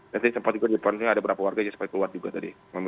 dan tadi sempat juga di depan ada beberapa warga yang sempat keluar juga tadi